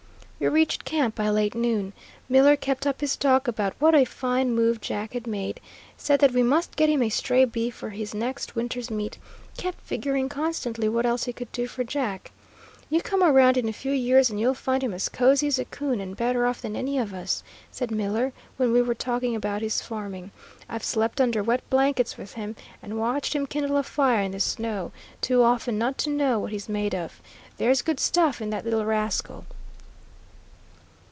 We reached camp by late noon. Miller kept up his talk about what a fine move Jack had made; said that we must get him a stray beef for his next winter's meat; kept figuring constantly what else he could do for Jack. "You come around in a few years and you'll find him as cosy as a coon, and better off than any of us," said Miller, when we were talking about his farming. "I've slept under wet blankets with him, and watched him kindle a fire in the snow, too often not to know what he's made of. There's good stuff in that little rascal."